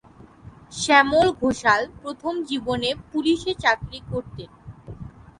শ্যামল ঘোষাল প্রথম জীবনে পুলিশে চাকরি করতেন।